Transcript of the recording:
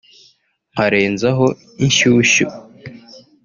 nkarenzaho ishyushyu